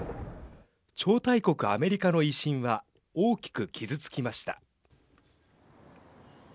超大国アメリカの威信は大きく傷つきました。